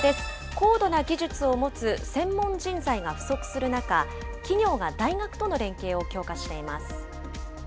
高度な技術を持つ専門人材が不足する中、企業が大学との連携を強化しています。